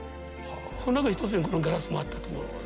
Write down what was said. その中の１つにこのガラスもあったと思うんです。